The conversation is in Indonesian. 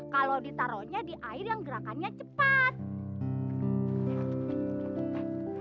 kalau ditaruhnya di air yang gerakannya cepat